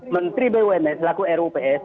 menteri bumn selaku rups